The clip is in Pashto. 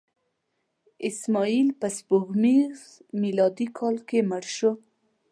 اسماعیل په سپوږمیز میلادي کال کې مړ شو.